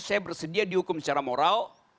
saya bersedia dihukum secara moral